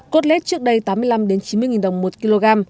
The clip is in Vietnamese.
cốt lết trước đây tám mươi năm chín mươi đồng một kg